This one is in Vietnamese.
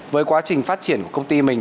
với quá trình phát triển của công ty mình